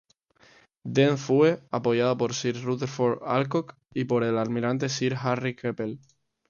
Dent fue apoyado por sir Rutherford Alcock y por el almirante sir Harry Keppel.